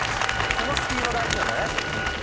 このスピード大事なんだね。